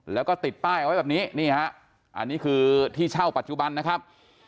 แล้วก็ติดแป้งไว้แบบนี้อันนี้คือที่เช่าปัจจุบันนะครับ